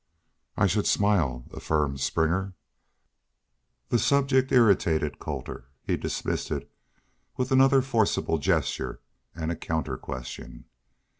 "I should smile!" affirmed Springer. The subject irritated Colter, and he dismissed it with another forcible gesture and a counter question.